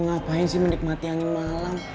ngapain sih menikmati angin malam